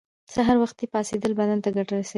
سهار وختی پاڅیدل بدن ته ګټه رسوی